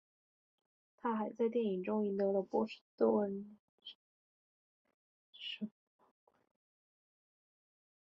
她还在电影中赢得了波士顿影评人协会奖最佳女主角。